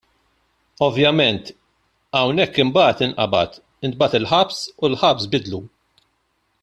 Ovvjament hemmhekk imbagħad inqabad, intbagħat il-ħabs u l-ħabs biddlu.